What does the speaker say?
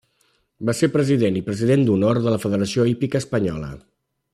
Va ser president i president d'honor de la Federació Hípica Espanyola.